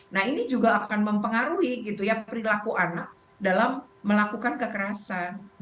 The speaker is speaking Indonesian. nah ini juga akan mempengaruhi gitu ya perilaku anak dalam melakukan kekerasan